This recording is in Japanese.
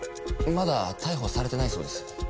まだ逮捕されてないそうです。